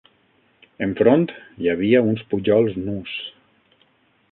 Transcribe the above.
Enfront hi havia uns pujols nus